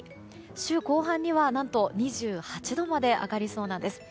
週後半には何と２８度まで上がりそうなんです。